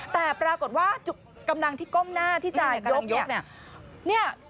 แต่ปรากฏว่ากำลังที่ก้มหน้าที่จะยกเนี่ย